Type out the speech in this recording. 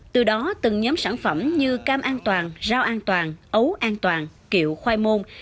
từ đó từng nhóm sản phẩm như cam an toàn rau an toàn ấu an toàn kiệu khoai môn